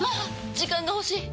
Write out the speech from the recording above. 時間が欲しい！